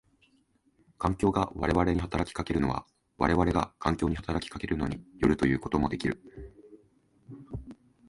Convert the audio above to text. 環境が我々に働きかけるのは我々が環境に働きかけるのに依るということもできる。